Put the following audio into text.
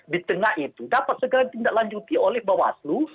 di tengah itu dapat segera ditindaklanjuti oleh bahwa selu